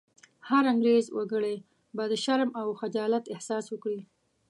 هر انګرېز وګړی به د شرم او خجالت احساس وکړي.